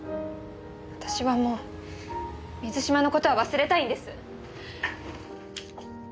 私はもう水嶋の事は忘れたいんです！